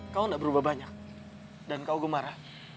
kau tidak berubah banyak dan kau gemara